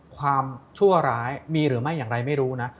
ชั่วร้ายมีหรือไม่อย่างไรไม่รู้นะ